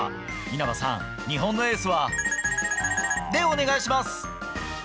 稲葉さん、日本のエースは○○でお願いします。